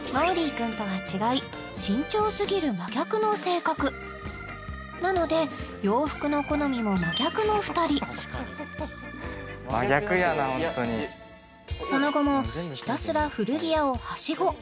君とは違い慎重すぎる真逆の性格なので洋服の好みも真逆の２人その後もひたすら古着屋をはしご